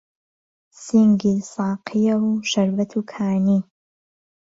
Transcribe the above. سینگی ساقییه و شەربەت و کانی